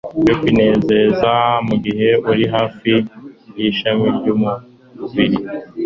yo kwinezeza mugihe uri hafi yishami ryumubiri